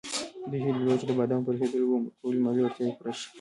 دوی هیله درلوده چې د بادامو په رسېدو به ټولې مالي اړتیاوې پوره شي.